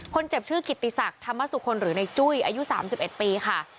คนเจ็บชื่อกิติศักดิ์ธรรมสุคลหรือในจุ้ยอายุ๓๑ปีค่ะ